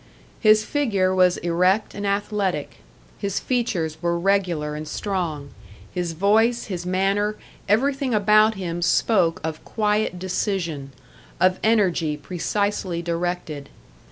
His figure was erect and athletic, his features were regular and strong, his voice, his manner, everything about him spoke of quiet decision, of energy precisely directed.